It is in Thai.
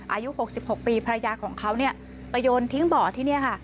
อายุ๖๖ปีภรรยาของเขาไปโยนทิ้งบ่อที่นี่